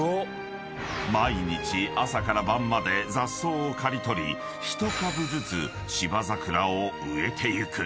［毎日朝から晩まで雑草を刈り取り１株ずつ芝桜を植えてゆく］